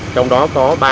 trong đó có ba